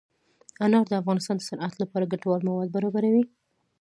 انار د افغانستان د صنعت لپاره ګټور مواد برابروي.